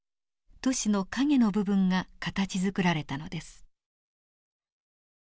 都市の陰の部分が形づくられたのです。